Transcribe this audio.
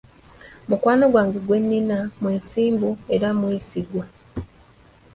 Mukwano gwange gwe nnina mwesimbu era mwesigwa?